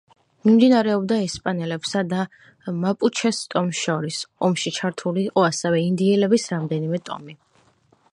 მიმდინარეობდა ესპანელებსა და მაპუჩეს ტომს შორის, ომში ჩართული იყო ასევე ინდიელების რამდენიმე ტომი.